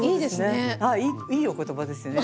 あっいいお言葉ですね。